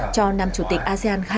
cho năm chủ tịch asean hai nghìn hai mươi